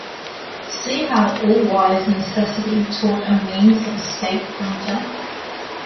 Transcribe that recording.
See how all-wise necessity taught a means of escape from death!